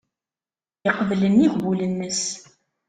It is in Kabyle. Teqbel nnig wul-nnes.